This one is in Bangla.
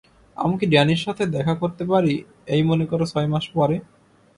আমি কি ড্যানির সাথে দেখা করতে পারি, এই মনে করো ছয় মাস পরে?